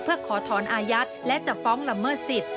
เพื่อขอถอนอายัดและจะฟ้องละเมิดสิทธิ